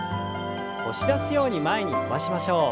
押し出すように前に伸ばしましょう。